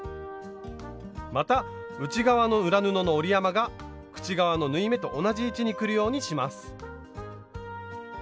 また内側の裏布の折り山が口側の縫い目と同じ位置にくるようにします。